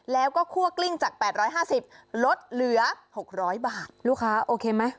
แล้วก็คั่วกลิ้งจาก๘๕๐ลดเหลือ๖๐๐บาทลูกค้าโอเคไหม